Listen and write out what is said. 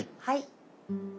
はい。